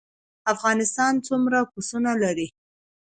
افغانستان څومره پسونه لري؟